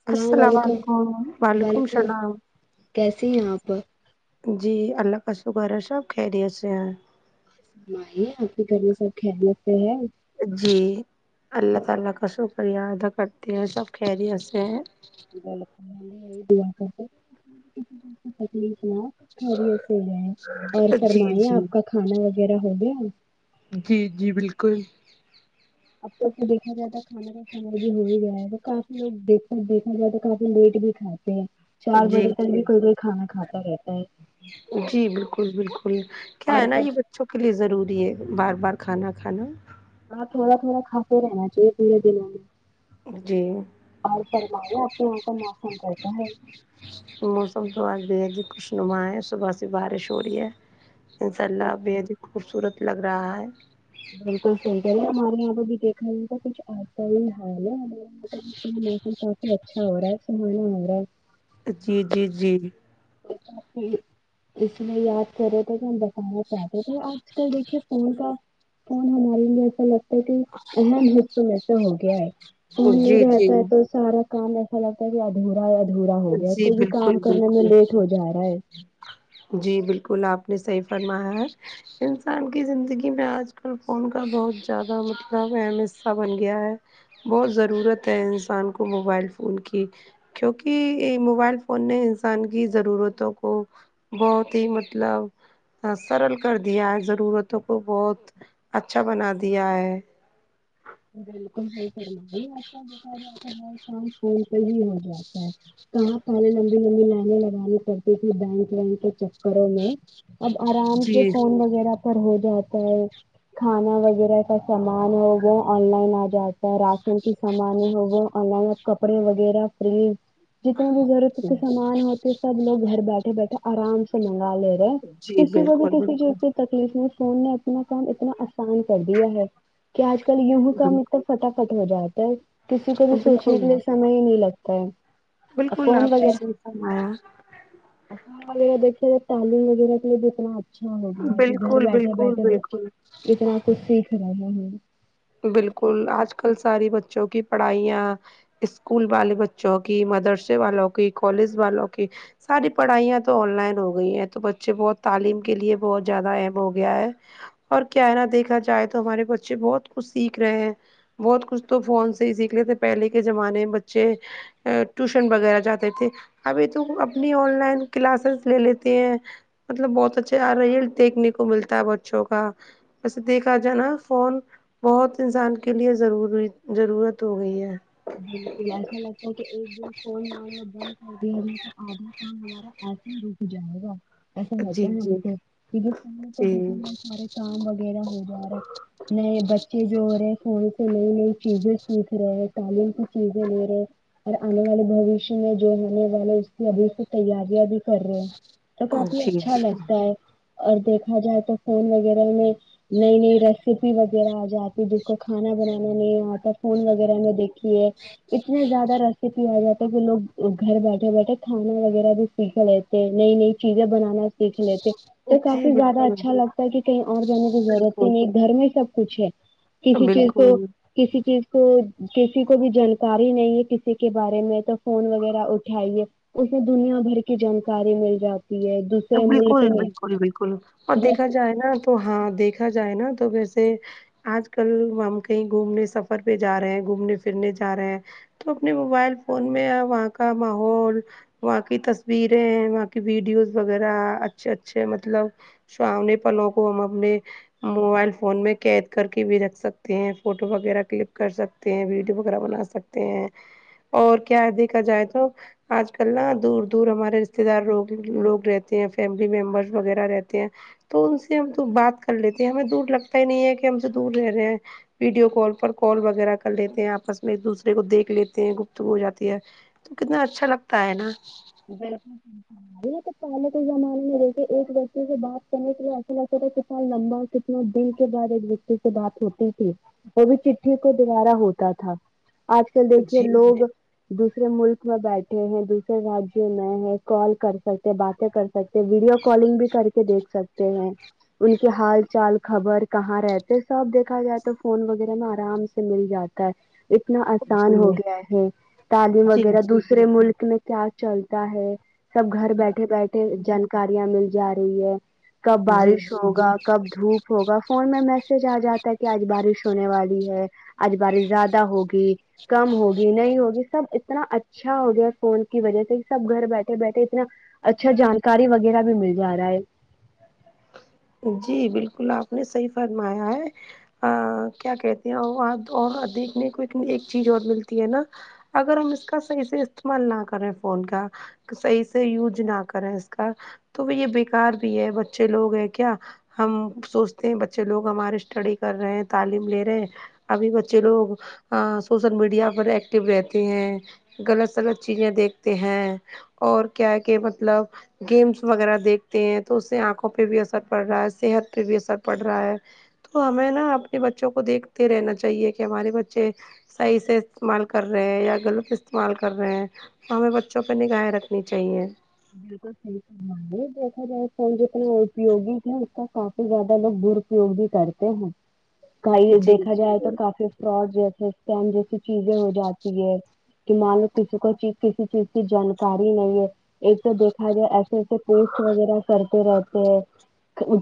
سلا السلام ولیکم علیکم وعلیکم بالکل السلام کیسی ہو اپپا جی اللہ کا شکر ہے سب خیریت سے ہیں مائی آپ کے گھر میں سب خیریت سے ہیں جی اللہ تعالی کا شکریہ ادا کرتی ہیں سب خیریت سے ہیں کر دعا کرتے تکلیف نہ خیریت سے ہے اور جی فرمائیے جی آپ کا کھانا وغیرہ ہو گیا جی جی بالکل اب تو دیکھا جاتا کھانا ا سم یہ ہو ہی گیا ہے تو کافی لگ دیکھ دیکھنے ج تو کافی لیٹ بھی کھاتے ہیں چار جی بجے تک جی بھی کوئی بھی کھانا کھاتے رہ جی بالکل بالکل کیا اور ہے نا پھر یہ ب چوں کے لیے ضروری ہے بار بار کھانا کھانا ہاں تھوڑا تھوڑا کھاتے رہنا چاہیے پورے دنوں میں جی آج فرمایا آپ کے یہاں کا موسم کیسا ہے موسم تو آج بھی بے حد خوشنما ہے صبح سے بارش ہورہی ہے انشاء ہے اللہ بے حد ہی خوبصورت لگ رہا ہے بالکل صحیح کریے ہمارے یہا بھی دیکھا جائے تو کچھ ایسا ہی ہے موسم کافی اچھا ہورا ہے سہانا ہورا ہے جی جی جی [unintelligible] اس لیے یاد کر رے تھے کہ ہم بتانا چاہتے تھے آج کل دیکھیے فون کا کون ہمارے لیے ایسا لگتا ہے کہ اہم حصوں میں سے ہو گیا ہے فون نہیں جی جی رہتا ہے تو سارا کام ایسا لگتا ہے کہ ادھورا ہے ادھورا ہو گیا ہے جی کوئی بھی بالکل کام کرنے میں بالکل لیٹ ہو جا رہا ہے جی بالکل آپ نے صحیح فرمایا ہے انسان کی زندگی میں آج کل فون کا بہت زیادہ مطلب اہم حصہ بن گیا ہے بہت ضرورت ہے انسان کو موبائل فون کی کہ موبائل فون نے انسان کی ضرورتوں کو بہت ہی مطلب صاف سرل کر دیا ہے ضرورتوں کو بہت اچھا بنا دیا ہے بالکل بلکل آجکل دیکھا جائے تو ہر کام فون پہ ہی ہو جاتا ہے کہاں پہلے لمبی لمبی لائنیں لگانی کرتی تھی بینک ونک کے چکروں میں اب آرام سے جی فون وغیرہ ہو جاتا ہے کھانا وغیرہ کا سامان ہو وہ آن لائن آ جاتا راشن کی سامان وغیرہ آنلائن کپڑے وغیرہ فری جتنے بھی ضرورت کے سامان ہوتے سب لوگ گھر بیٹھے بیٹھے آرام سے منگا لےتے جی کسی کو تو بالکل کسی چیز بالکل سے تکلیف میں فون نے اپنا کام اتنا آسان کر دیا ہے کہ آج کل یو ہی کام بالکل اتنا فٹافٹ ہو جاتا ہے کسی کو بھی سوچنے بالکل کے لیے سمے ہی نہیں لگتا ہے بالکل آپ نے صحیح فرمایا ارے دیکھیے تعلیم وغیرہ کے دتنا اچھا ہوگیا کہ گھر بالکل بیٹھے بالکل بیٹھے بچے بالکل اتنا کچھ سیکھ رہے ہیں ہم بالکل آج کل ساری بچوں کی پڑھائیاں اسکول والے بچوں کی مدرسے والوں کی کالج والوں کی ساری پڑھائیاں تو آن لائن ہو گئی ہیں تو بچے بہت تعلیم کے لیے بہت زیادہ اہم ہو گیا ہے اور کیا نا دیکھا جائے تو ہمارے بچے بہت کچھ سیکھ رہے ہیں بہت کچھ تو فون سے ہی سیکھ لیے تھے پہلے کے زمانے میں بچے ٹیوشن وغیرہ جاتے تھے ابھی تو اپنی آن لائن کلاسز لے لیتے ہیں مطلب بہت اچھے آ رہے ہے دیکھنے کو ملتا ہے بچوں کا ویسے دیکھا جاںے نہ فون بہت انسان کے لیے ضروری ضرورت ہو گئی ہے بالکل ایسا لگتا ہے کہ ایک دن فون مارنا بند کر دیا جائے تو آدھا کام وغیرہ ایسا ہی رک جائے گا ایسا جی لگتا ہے ہم جی کو کی جی دیکھ لیا سارے کام وغیرہ ہو جا رہا ہے نئے بچے جو ہو رہے فون سے نئی نئی چیزیں سیکھ رہے ہیں تعلیم کچھ چیزیں لے رہے ہیں اور آنے والے بوشیہ میں جو ہونے والے اس کی ابھی تیاریاں بھی کر رہے ہیں تو کافی جی اچھا جی لگتا ہے اور دیکھا جائے تو فون وغیرہ میں نئی نئی ریسیپی وغیرہ آ جاتی بالکل کھانا بنانا نہیں آتا فون وغیرہ میں دیکھ اتنے زیادہ ریسیپی آ جاتی ہے کہ لوگ گھر بیٹھے بیٹھے کھانا وغیرہ بھی سیکھ لیتے نئی نئی چیزیں بنانا سیکھ لیتے تو جی کافی زیادہ بالکل اچھا لگتا ہے کہ کہیں اور جانے کی ضرورت ہی بالکل نہیں ایک گھر میں سب کچھ ہے کسی چیز کو بالکل کسی چیز کو کہ کسی کو بھی جانکاری نہیں ہے کسی کے بارے میں تو فون وغیرہ اٹھائیے اس میں دنیا بھر کی جانکاری مل جاتی ہے تو بالکل بالکل بالکل اور دیکھا دوس جائے نا تو ہاں دیکھا جائے نا تو ویسے آج کل ہم کہیں گھومنے سفر پہ جا رہے ہیں گھومنے پھرنے جا رہے ہیں تو اپنے موبائل فون میں وہاں کا ماحول وہاں کی تصویریں وہاں کی ویڈیوز وغیرہ اچھے اچھے مطلب سامنے پلوں کو ہم اپنے موبائل فون میں قید کر کے بھی رکھ سکتے ہیں فوٹو وغیرہ کلک کر سکتے تے ہیں ویڈیو وغیرہ بنا سکتے ہیں اور کیا ہے دیکھا جائے تو آج کل نا دور دور ہمارے رشتے دار لوگ لوگ رہتے ہیں فیملی ممبرس وغیرہ رہتے ہیں تو ان سے ہم تو بات کر لیتے ہیں ہمیں دور لگتا ہی نہیں ہے کہ ہم سے دور رہ رہے ہیں ویڈیو کال پر کال وغیرہ کر لیتے ہیں آپس میں ایک دوسرے کو دیکھ لیتے ہیں گفتگو ہو جاتی ہے کتنا اچھا لگتا ہے نا [unintelligible] بائی یہ تو پہلے کے زمانے دیکھے ایک دوسرے سے بات کرنے کے لیے ایسا لگ ستا تھا ک سال لمبا دن کے بعد ایک ویکتی سے بات ہوتی تھی وہ بھی چٹھی کو دوبارہ ہوتا تھا آج کل دیکھیے جی لوگ دوسرے ملک میں بیٹھے ہیں دوسرے راجیہ میں ہے کال کر سکتے باتیں کر سکتے ویڈیو کالنگ بھی کر کے دیکھ سکتے ہیں ان کے حال چال خبر کہاں رہتے سب دیکھا جائے تو فون وغیرہ میں آرام سے مل جاتا اتنا آسان جی ہو گیا ہے تعلیم جی وغیرہ دوسرے ملک میں کیا چل ہے سب گھر بیٹھے بیٹھے جی جانکاریاں مل جا رہی ہے کب جی بارش جی ہوگا کب دھوپ ہوگا فون میں میسج آ جاتا ہے کہ آج بارش ہونے والی ہے آج بارش زیادہ ہوگی کم ہوگی نہیں ہوگی سب اتنا اچھا ہو گیا فون کی وجہ سے سب گھر بیٹھے بیٹھے اتنا اچھا جانکاری وغیرہ گھل مل جا رہا ہے جی بالکل آپ نے صحیح فرمایا ہے ا کیا کہتے ہیں اور وں دیکھنے کو ایک چیز اور ملتی ہے نا اگر ہم اس کا صحیح سے استعمال نہ کریں فون کا صحیح سے یوز نہ کریں اس کا تو وہ یہ بےیکار بھی ہے بچے لوگ ہے کیا ہم سوچتے ہیں بچے لوگ ہمارے اسٹڈی کر رہے ہیں تعلیم لے رہے ہیں ابھی بچے لوگ ا سوشل میڈیا پر ایکٹیو رہتے ہیں غلط سلط چیزیں دیکھتے ہیں اور کیا کہ مطلب گیمس وغیرہ دیکھتے ہیں تو اس سے آنکھوں پہ بھی اثر پڑ رہا ہے صحت پہ بھی اثر پڑ رہا ہے تو ہمیں نا اپنے بچوں کو دیکھتے رہنا چاہیے کہ ہمارے بچے صحیح سے استعمال کر رہے ہیں یا غلط استعمال کر رہے ہیں ہمیں بچوں پہ نگاہیں رکھنی چاہیے بالکل صحیح وہ دیکھا جائے فون جتنا اپیوگی ہے اس کا کافی زیادہ لوگ درپیوگ بھی کرتے ہیں کئی جی دیکھا جائے تو کافی فراڈ جیسے اسکم جیسے چیزیں ہو جاتی ہے کہ مان لو کسی کو کسی چیز کی جانکاری نہیں ہے ایک تو دیکھا جائے ایسے ایسے پوسٹ وغیرہ کرتے رہتے ہیں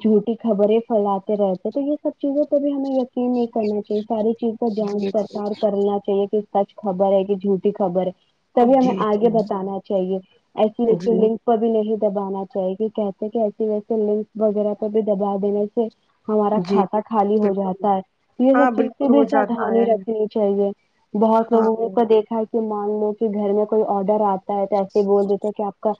جھوٹی خبریں پھیلاتے رہتے تو یہ سب چیزیں کبھی ہمیں یقین نہیں کرنا چاہیے ساری چیز اس کو جی جانچ پرکاار کرنا چاہیے کہ سچ خبر ہے کہ جھوٹی خبر ہے تبھی جی ہمیں آگے جی بتانا چاہیے ایسی و یسی جی لنک کبھی نہیں دبانا چاہیے گ کہتے کہ ایسی ویسے لنک وغیرہ پے بھی دبا دینے سے ہمارا جی کھاتہ خالی ہو بالکل جاتا ہے تو یہ ہاں سب چیز سے بالکل بھی ہو جاتا ساودھانی ہے رکھنی چاہیے بہت ہاں لوگوں کو دیکھا ہے کے مان لو کہ گھر میں کوئی آڈر آتا ہے تو ایسے بول دیتے ہیں کہ آپ کا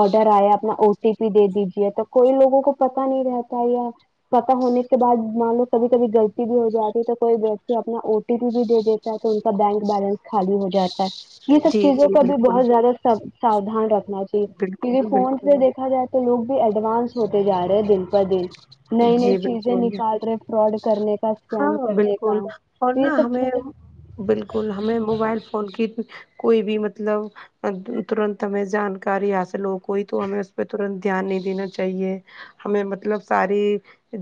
آڈر آیا تھا و ٹی پی دے دیجیے تو کوئی لوگوں کو پتا نہیں رہتا یا پتہ ہونے کے بعد مان لو کبھی کبھی غلطی بھی ہو جاتی ہے تو کوئی ویکتی اپنا و ٹی پی دے دیتا ہے تو ان کا بینک بیلنس خالی ہو جاتا ہے یہ سب جی چیزوں جی کا بھی بالکل بہت زیادہ سب ساودھان رکھنا چاہیے بالکل کیونکہ فون پے بالکل دیکھا جائے تو لوگ بھی ایڈوانس ہوتے جا رہے ہیں دن پہ دن نئی نئی جی چیزیں بالکل نکال رہے فراڈ کرنے کا ہاں اسکم کرنے بالکل کا اور تو یہ نا سب ہمیں چیزیں بالکل ہمیں موبائل فون کی کوئی بھی مطلب ترنت ہمیں جانکاری حاصل ہو کوئی تو ہمیں اس پہ ترنت دھیان نہیں دینا چاہیے ہمیں مطلب ساری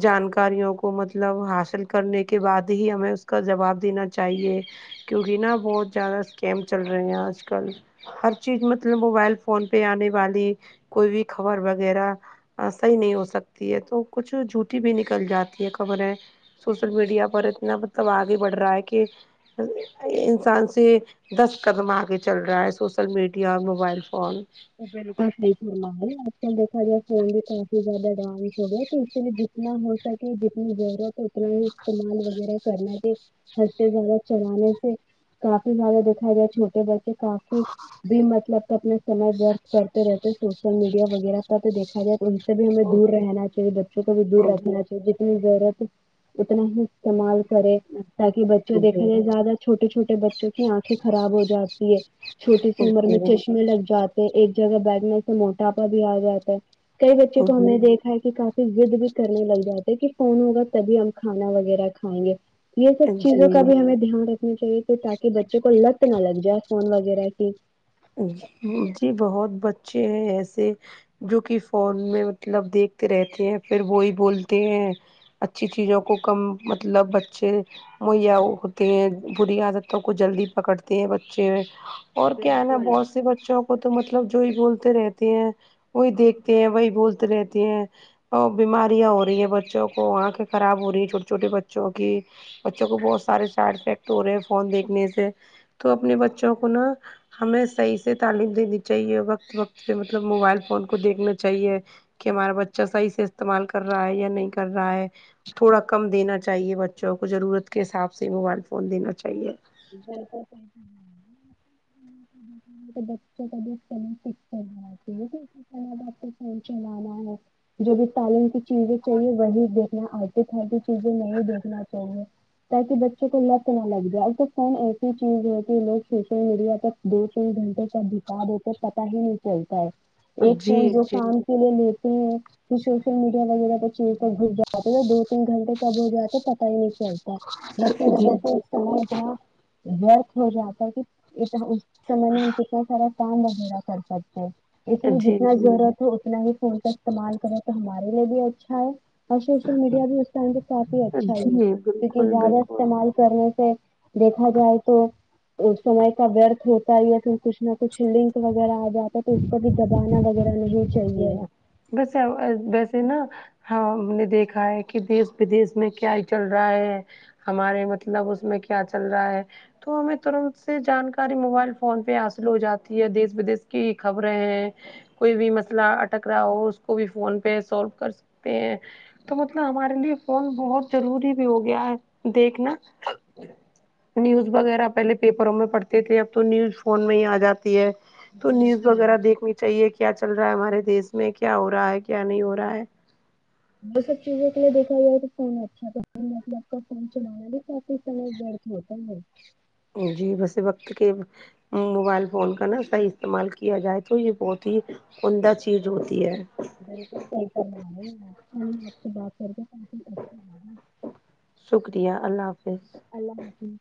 جانکاریوں کو مطلب حاصل کرنے کے بعد ہی ہمیں اس کا جواب دینا چاہیے کیونکہ نا بہت زیادہ اسکم چل رہے ہیں آج کل ہر چیز مطلب موبائل فون پہ آنے والی کوئی بھی خبر وغیرہ صحیح نہیں ہو سک تی ہے تو کچھ جھوٹی بھی نکل جاتی ہے خبریں سوشل میڈیا پر اتنا مط لب آگے بڑھ رہا ہے کہ ا انسان سے دس قدم آگے چل رہا ہے سوشل میڈیا اور موبائل فون [unintelligible] آج کل دیکھا دیا فون بھی کافی زیاد اڈوانس ہو گیا تو اس کے لئے نہ ہو سکے جتنی ضرورت ہے اتنا ہی استعمال وغیرہ کرنا سے حد سے زیادہ چلانے سے کافی زیادہ دکھائی جائے چھوٹے بچے کافی بھی مطلب کہ اپنے سمجھ کرتے رہتے سوشل میڈیا وغیرہ کا تو دیکھا جائے تو سے بھی ہمیں دور رہنا چاہیے بچوں کو بھی دور جی رکھنا چاہیے جتنی ضرورت ہے اتنا ہی استعمال کرے تاکہ بچے دیکھنے زیادہ چھوٹے چھوٹے بچوں کی آنکھیں خراب ہو جاتی ہے چھوٹی سی عمر جی میں چشمے لگ جا ایک جگہ بیٹھنے سے موٹاپا بھی آ جاتا ہے کئی بچے کو ہم نے دیکھا ہے کہ کا فی ضد بھی کرنے لگ جاتے کہ فون ہوگا تبھی ہم کھانا وغیرہ کھائیں گے یہ سب جی چیزوں کا جی بھی ہمیں دھیان رکھ نا چاہیے تے تاکہ بچے کو لت نہ لگ جائے فون وغیرہ کی جی بہت بچے ہیں ایسے جو کہ فون میں مطلب دیکھتے رہتے ہیں پھر وہی بولتے ہیں اچھی چیزوں کو کم مطلب بچے مہیا ہوتے ہیں بری عادتوں کو جلدی پکڑتے ہیں بچے بالکل ایسے بچوں کو تو مطلب جو ہی بولتے رہتے ہیں وہی دیکھتے ہیں وہی بولتے رہتے ہیں ہاو بیماریاں ہو رہی ہیں بچوں کو آنکھیں خراب ہو رہی ہیں چھوٹے چھوٹے بچوں کی بچوں کو بہت سارے سائڈ افیکٹ ہو رہے ہیں فون دیکھنے سے تو اپنے بچوں کو نا ہمیں صحیح سے تعلیم دینی چاہیے وقت وقت پے مطلب موبائل فون کو دیکھنا چاہیے کہ ہمارا بچہ صحیح سے استعمال کر رہا ہے یا نہیں کر رہا ہے تھوڑا کم دینا چاہیے بچوں کو ضرورت کے حساب سے موبائل فون دینا چاہیے بالکل [unintelligible] ان کے بچون کے بھی فون چیک کریں [unintelligible] آپ کو فون چلانا ہے جو بھی تعلیم کی چیزیں چاہیے وہی دیکھنا التو فالتو چیزیں نہیں دیکھنا چاہیے تاک بچوں کو لت نہ لگ جائے کچھ فون ایسی چیز ہوتی لوگ سوشل میڈیا تک دو تین گھنٹے تک بتا دیتے پتہ ہی نہیں چل چلتا ہے ایک جی کوئی جو جی کام جی کے لیے لیتے ہیں پھر سوشل میڈیا وغیرہ پہ چیز پر گھس جاتے ہیں دو تین گھنٹے کب ہو جاتے پتہ ہی نہیں تا جس کی جی وجہ سے اتنا ورک ہو جاتا ہے کہ اس سمے میں ان سے کیانا سارا کام وغیرہ کر سکتا ہے اس لیے جی جتنا جی ضرورت ہو اتنا ہی فون کا استعمال کرو تو ہمارے لیے بھی اچھا ہے اور سوشل میڈیا بھی اس ٹائم پہ کافی اچھا ہے جی کیونکہ بالکل زیادہ بالکل استعمال کرنے سے دیکھا جائے تو سمے کا ورتھ ہو آیا پھر کچھ نہ کچھ لنک وغیرہ آ جاتا ہے تو اس پر بھی دبانا وغیرہ نہیں جی چاہیے بس ہے ویسے نہ ہاں ہم نے دیکھا ہے کہ دیس ودیش میں کیا چل رہا ہے ہمارے مطلب اس میں کیا چل رہا ہے تو ہمیں ترنت سے جانکاری موبائل فون پہ حاصل ہو جاتی ہے دیس ودیش کی خبریں ہیں کوئی بھی مسئلہ اٹک رہا ہو اس کو بھی فون پے سولو کر سکتے ہیں تو مطلب ہمارے لیے فون بہت ضروری بھی ہو گیا ہے دیکھنا نیوز وغیرہ پہلے پیپروں میں پڑھتے تھے اب تو نیوز فون میں ہی آ جاتی ہے تو نیوز وغیرہ دیکھنی چاہیے کیا چل رہا ہے ہمارے دیس میں کیا ہو رہا ہے کیا نہیں ہو رہا ہے وہ سب چیزوں کے لیے دیکھا جائے تو فون اچھا کر مطلب آپ کا فون چلانا بھی کافی سمے ورتھ ہوتا ہے جی بسے وقت کے موبائل فون کا نا صحیح استعمال کیا جائے تو یہ بہت ہی عمدہ چیز ہوتی ہے میرے پاس تو آںی فون ہے آپ سے بات کر کے شکریہ اللہ حافظ اللہ حافظ